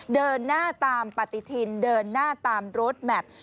เดินหน้าตามปฏิทินเดินหน้าตามรถแมพ